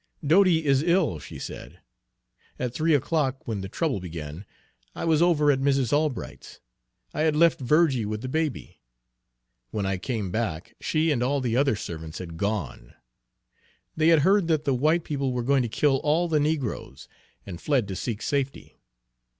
"Dodie is ill," she said. "At three o'clock, when the trouble began, I was over at Mrs. Albright's, I had left Virgie with the baby. When I came back, she and all the other servants had gone. They had heard that the white people were going to kill all the negroes, and fled to seek safety.